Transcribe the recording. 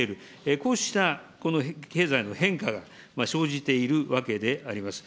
こうしたこの経済の変化が生じているわけであります。